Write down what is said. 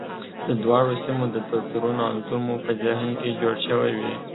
د دواړو سیمو د توپیرونو انځور مو په ذهن کې جوړ شوی وي.